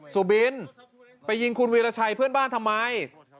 สุบินไปยิงคุณวีรชัยเพื่อนบ้านทำไม